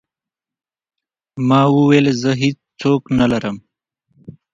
ما وويل زه هېڅ څوک نه لرم.